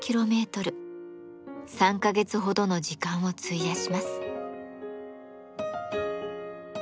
３か月ほどの時間を費やします。